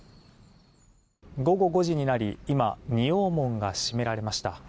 午後５時になり今、仁王門が閉められました。